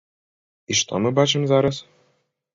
І што мы бачым зараз?